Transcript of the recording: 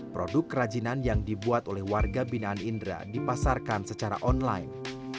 produk kerajinan yang dibuat oleh warga binaan indra dipasarkan secara online